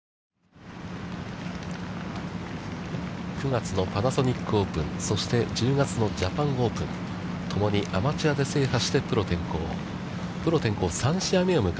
９月のパナソニックオープン、そして、１０月のジャパン・オープン、ともにアマチュアで制覇してプロ転向。